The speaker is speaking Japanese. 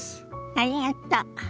ありがと。